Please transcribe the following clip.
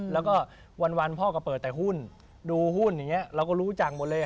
แล้วก็วันพ่อก็เปิดแต่หุ้นดูหุ้นอย่างนี้เราก็รู้จักหมดเลย